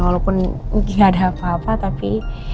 walaupun mungkin gak ada apa apa tapi